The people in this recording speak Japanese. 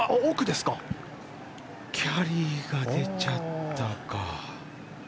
キャリーが出ちゃったか。